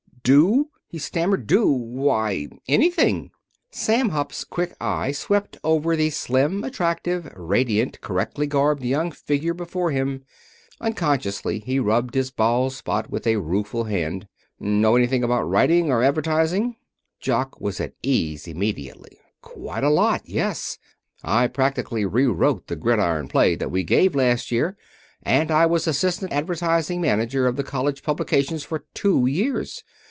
"Do!" he stammered. "Do! Why anything " Sam Hupp's quick eye swept over the slim, attractive, radiant, correctly garbed young figure before him. Unconsciously he rubbed his bald spot with a rueful hand. "Know anything about writing, or advertising?" Jock was at ease immediately. "Quite a lot; yes. I practically rewrote the Gridiron play that we gave last year, and I was assistant advertising manager of the college publications for two years.